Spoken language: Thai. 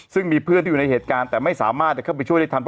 ซึ่งมีเพื่อนที่อยู่ในเหตุการณ์แต่ไม่สามารถจะเข้าไปช่วยได้ทัน